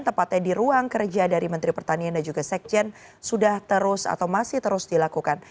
tepatnya di ruang kerja dari menteri pertanian dan juga sekjen sudah terus atau masih terus dilakukan